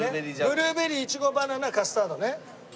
ブルーベリーいちごバナナカスタードね。